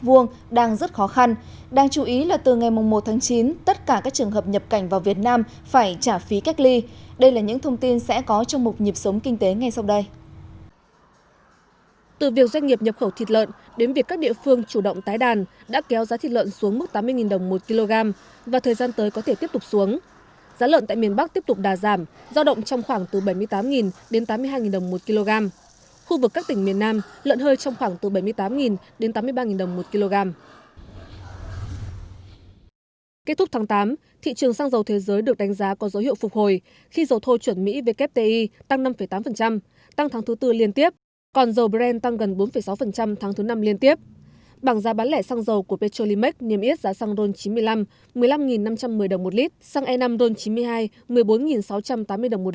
bảng giá bán lẻ xăng dầu của petrolimex niêm yết giá xăng ron chín mươi năm một mươi năm năm trăm một mươi đồng một lit xăng e năm ron chín mươi hai một mươi bốn sáu trăm tám mươi đồng một lit dầu diesel một mươi hai năm trăm linh đồng một lit và dầu hỏa một mươi ba trăm hai mươi đồng một lit